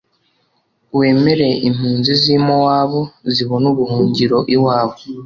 Wemere impunzi z’i Mowabu, zibone ubuhungiro iwawe,